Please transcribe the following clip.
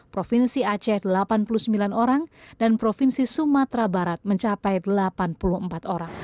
provinsi aceh delapan puluh sembilan orang dan provinsi sumatera barat mencapai delapan puluh empat orang